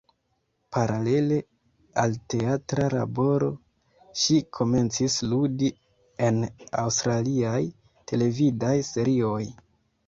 Paralele al teatra laboro, ŝi komencis ludi en aŭstraliaj televidaj serioj.